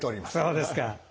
そうですか。